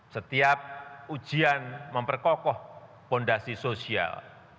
setiap ujian memperkokoh fondasi sosial